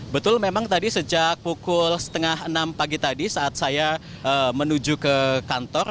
betul memang tadi sejak pukul setengah enam pagi tadi saat saya menuju ke kantor